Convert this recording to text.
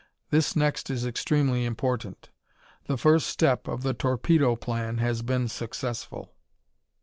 This next is extremely important: _The first step of the Torpedo Plan has been successful!"